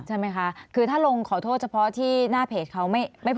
ใช่ไหมคะคือถ้าลงขอโทษเฉพาะที่หน้าเพจเขาไม่พอ